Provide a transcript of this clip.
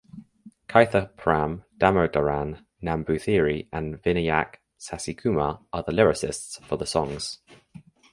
Kaithapram Damodaran Namboothiri and Vinayak Sasikumar are the lyricists for the songs.